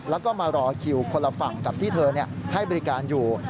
แล้วก็มารอคิวคนละฝั่งกับที่เธอให้บริการอยู่